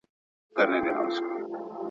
د والدينو خپلمنځي اړيکي بايد خرابې نه وي.